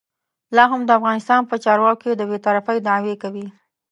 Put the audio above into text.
لا هم د افغانستان په چارو کې د بې طرفۍ دعوې کوي.